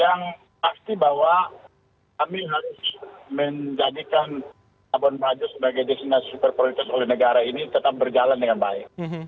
yang pasti bahwa kami harus menjadikan labuan bajo sebagai destinasi super prioritas oleh negara ini tetap berjalan dengan baik